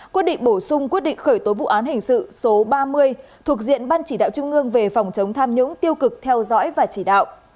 quyết định bổ sung quyết định khởi tố vụ án hình sự số ba mươi thuộc diện ban chỉ đạo trung ương về phòng chống tham nhũng tiêu cực theo dõi và chỉ đạo